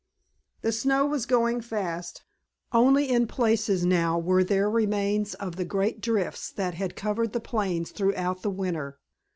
The snow was going fast, only in places now were there remains of the great drifts that had covered the plains throughout the winter.